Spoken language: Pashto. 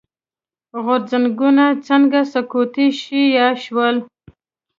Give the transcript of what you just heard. غورځنګونه څنګه سقوط شي یا شول.